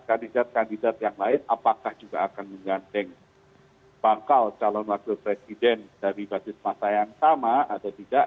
kandidat kandidat yang lain apakah juga akan menggandeng bakal calon wakil presiden dari basis masa yang sama atau tidak